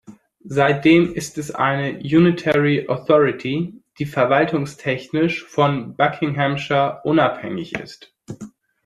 Seitdem ist es eine Unitary Authority, die verwaltungstechnisch von Buckinghamshire unabhängig ist.